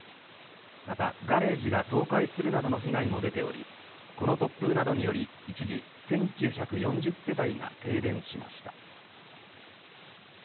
また、ガレージが倒壊するなどの被害も出ておりこの突風などにより一時１９４０世帯が停電しました。